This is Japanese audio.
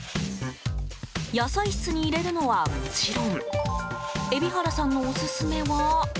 野菜室に入れるのはもちろん海老原さんのオススメは。